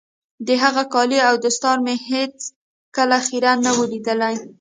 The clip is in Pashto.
د هغه کالي او دستار مې هېڅ کله خيرن نه وو ليدلي.